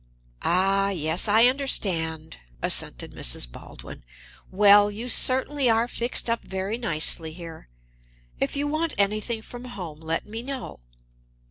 "Ah, yes, I understand," assented Mrs. Baldwin. "Well, you certainly are fixed up very nicely here. If you want anything from home, let me know.